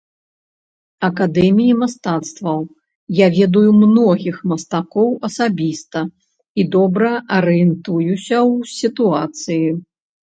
Акадэміі мастацтваў, я ведаю многіх мастакоў асабіста і добра арыентуюся ў сітуацыі.